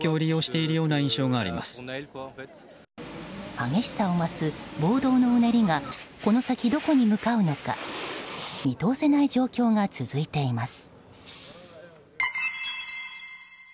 激しさを増す暴動のうねりがこの先どこに向かうのか見通せない状況が続いています。